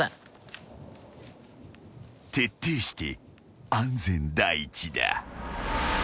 ［徹底して安全第一だ］